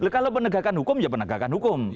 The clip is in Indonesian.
kalau penegakan hukum ya penegakan hukum